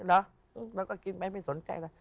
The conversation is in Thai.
แล้วก็กินไปไม่สนใจแล้ว